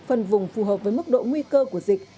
phân vùng phù hợp với mức độ nguy cơ của dịch